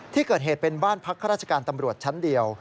ที่เกิดเหตุเป็นบ้านพักข้าราชการตำรวจชั้นเดียว